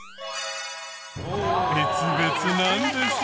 別々なんですよ。